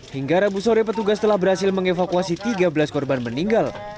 hingga rabu sore petugas telah berhasil mengevakuasi tiga belas korban meninggal